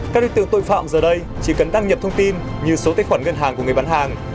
các đối tượng tội phạm giờ đây chỉ cần đăng nhập thông tin như số tài khoản ngân hàng của người bán hàng